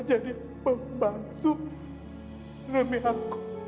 dia jadi pembantu demi aku